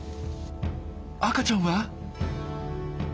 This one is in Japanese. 赤ちゃんは？